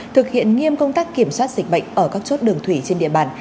thực hiện nghiêm công tác kiểm soát dịch bệnh ở các chốt đường thủy trên địa bàn